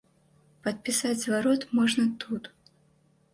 Падпісаць зварот можна тут.